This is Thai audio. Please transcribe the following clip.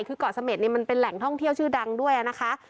คือเกาะเสม็ดเนี่ยมันเป็นแหล่งท่องเที่ยวชื่อดังด้วยนะคะ